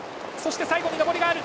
そして最後の上り。